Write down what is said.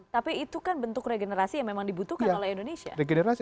tapi itu kan bentuk regenerasi yang memang dibutuhkan oleh indonesia